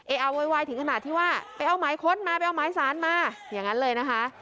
อาโวยวายถึงขนาดที่ว่าไปเอาหมายค้นมาไปเอาหมายสารมาอย่างนั้นเลยนะคะ